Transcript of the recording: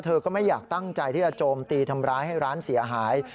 เธอก็ไม่อยากตั้งใจที่จะโจมตีทำร้ายให้ร้านเสียหาย